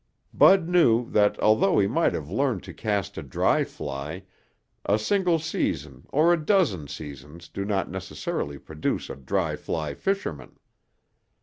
Bud knew that although he might have learned to cast a dry fly, a single season or a dozen seasons do not necessarily produce a dry fly fisherman.